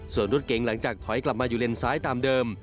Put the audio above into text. ส่วนรถเก๋งหลังจากถอยกลับมาอยู่เลนซ้ายตามเดิม